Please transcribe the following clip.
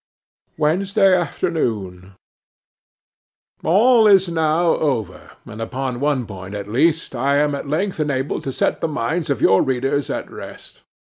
'Wednesday afternoon. 'ALL is now over; and, upon one point at least, I am at length enabled to set the minds of your readers at rest.